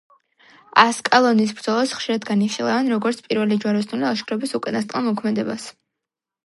ასკალონის ბრძოლას ხშირად განიხილავენ, როგორც პირველი ჯვაროსნული ლაშქრობის უკანასკნელ მოქმედებას.